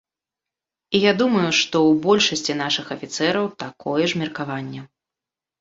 І я думаю, што ў большасці нашых афіцэраў такое ж меркаванне.